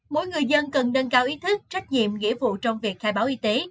mỗi người dân cần nâng cao ý thức trách nhiệm nghĩa vụ trong việc khai báo y tế